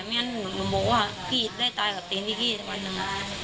ไม่งั้นหนูบอกว่าพี่ได้ตายกับตีนพี่สักวันหนึ่ง